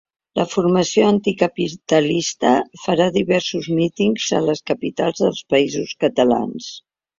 La formació anticapitalista farà diversos mítings a les capitals dels països catalans.